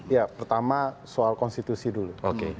ya pertama soal konstitusi dulu